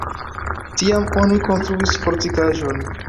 Tiam oni konstruis fortikaĵon.